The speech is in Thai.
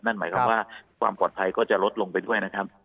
นั่นหมายความว่าความปลอดภัยก็จะลดลงไปด้วยนะครับ